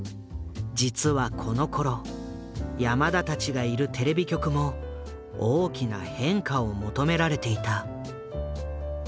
実はこのころ山田たちがいるテレビ局も大きな変化を求められていた。